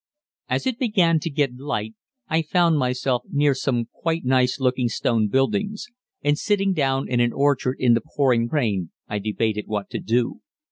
As it began to get light I found myself near some quite nice looking stone buildings, and sitting down in an orchard in the pouring rain I debated what to do.